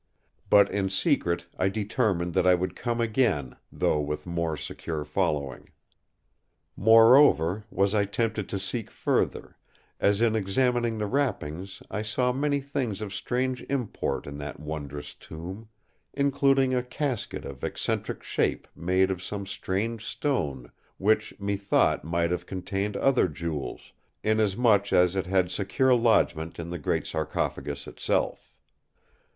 But in secret I determined that I would come again, though with more secure following. Moreover, was I tempted to seek further, as in examining the wrappings I saw many things of strange import in that wondrous tomb; including a casket of eccentric shape made of some strange stone, which methought might have contained other jewels, inasmuch as it had secure lodgment in the great sarcophagus itself.